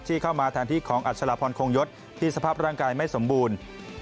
เข้ามาแทนที่ของอัชราพรคงยศที่สภาพร่างกายไม่สมบูรณ์